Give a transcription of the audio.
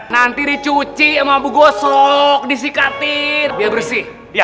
nanti dicuci emang mabuk gosok disikatin biar bersih